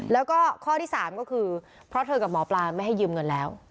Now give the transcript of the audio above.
แล้วก็ข้อที่๓ก็คือเพราะเธอกับหมอปลาไม่ให้ยืมเงินแล้ว